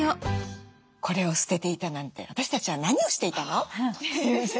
これを捨てていたなんて私たちは何をしていたの？